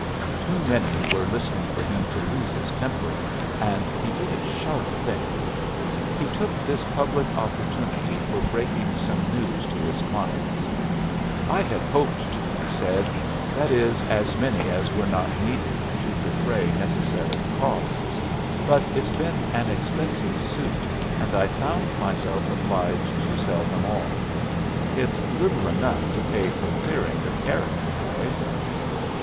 Too many were listening for him to lose his temper, and he did a sharp thing. He took this public opportunity for breaking some news to his clients. "I had hoped to," he said; "that is, as many as were not needed to defray necessary costs. But it's been an expensive suit, and I've found myself obliged to sell them all. It's little enough to pay for clearing your character, boys."